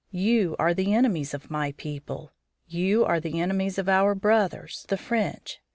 You are the enemies of my people. You are the enemies of our brothers, the French.